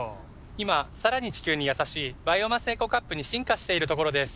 今さらに地球にやさしいバイオマスエコカップに進化しているところです。